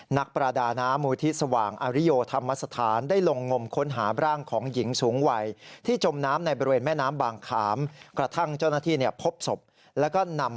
นักประดานามูธิสว่างอาริโยธรรมสถาน